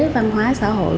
văn hóa xã hội